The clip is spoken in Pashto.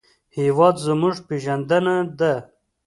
هېواد زموږ پېژندنه ده